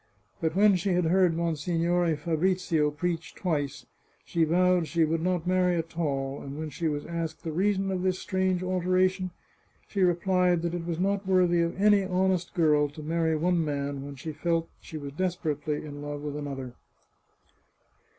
But when she had heard Monsignore Fabrizio preach twice, she vowed she 515 The Chartreuse of Parma would not marry at all, and when she was asked the reason of this strange alteration, she replied that it was not worthy of any honest girl to marry one man when she felt she was desperately in love with another.